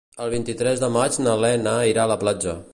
El vint-i-tres de maig na Lena irà a la platja.